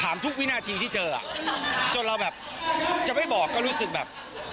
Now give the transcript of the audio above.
ทุกวินาทีที่เจออ่ะจนเราแบบจะไม่บอกก็รู้สึกแบบ